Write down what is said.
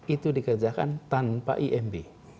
itu dikerjakan tanpa imb